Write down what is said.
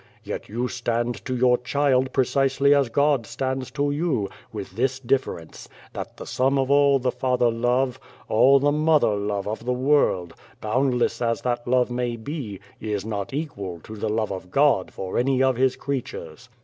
Yet you stand to your child pre cisely as God stands to you, with this difference that the sum of all the father love, all the mother love of the world, boundless as that love may be, is not equal to the love of God for any one of His creatures.